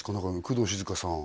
工藤静香さん